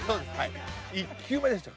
１球目でした。